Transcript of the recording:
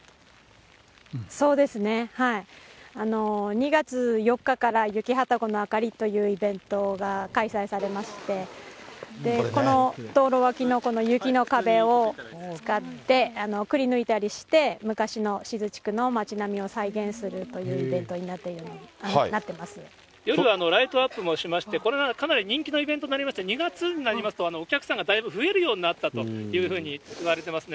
２月４日から、雪旅籠の灯りというイベントが開催されまして、この道路脇の雪の壁を使って、くりぬいたりして昔の志津地区の町並みを再現するというイベント夜はライトアップもしまして、これがかなり人気のイベントになりまして、２月になりますと、お客さんがだいぶ増えるになったというふうにいわれてますね。